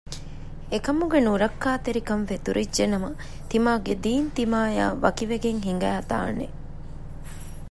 އެކަމުގެ ނުރައްކާތެރިކަން ފެތުރިއްޖެނަމަ ތިމާގެ ދީން ތިމާއާ ވަކިވެގެން ހިނގައިދާނެ